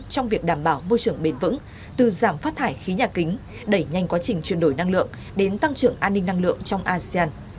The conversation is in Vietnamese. trong việc đảm bảo môi trường bền vững từ giảm phát thải khí nhà kính đẩy nhanh quá trình chuyển đổi năng lượng đến tăng trưởng an ninh năng lượng trong asean